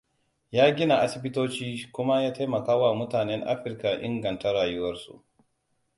Ya gina asibitoci kuma ya taimaka wa mutanen Afirka inganta rayuwarsu.